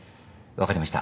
分かりました。